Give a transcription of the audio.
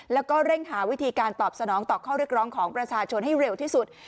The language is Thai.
แล้วก็เร่งหาวิธีการตอบสนองต่อข้อเรียกร้องของประชาชนให้เร็วที่สุด